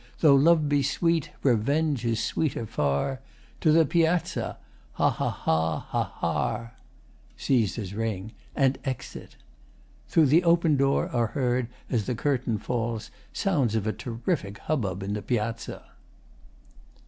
Tho' love be sweet, revenge is sweeter far. To the Piazza! Ha, ha, ha, ha, har! [Seizes ring, and exit. Through open door are heard, as the Curtain falls, sounds of a terrific hubbub in the Piazza.